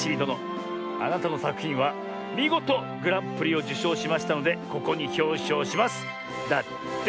あなたのさくひんはみごとグランプリをじゅしょうしましたのでここにひょうしょうします」だって！